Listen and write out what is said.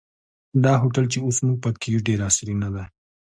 دا هوټل چې اوس موږ په کې یو ډېر عصري نه دی.